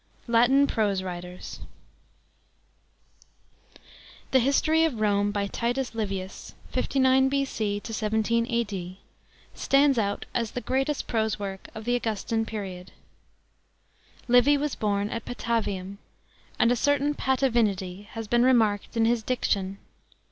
— LATIN PBOSE WBITEBS. § 7. The History of Rome by TITUS Livrus (59 B.C. 17 A.D.) stands out MS the greatest prose work of the Augustan period. Livy was born at Patavitim, and a certain Patavinity has been remarked in his diction.